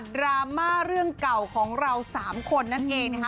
ดราม่าเรื่องเก่าของเรา๓คนนั่นเองนะคะ